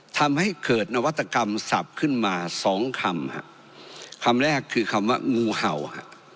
ทำให้เกิดนวัตกรรมสับขึ้นมาสองคำฮะคำแรกคือคำว่างูเห่าฮะ